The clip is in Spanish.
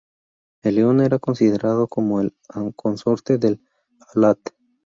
El león era considerado como el consorte de Al-lāt.